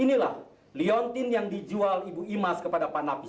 inilah leontin yang dijual ibu imas kepada pak nafis